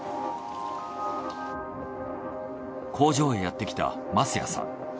工場へやってきた舛屋さん。